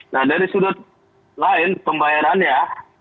nah dari sudut lain pembayarannya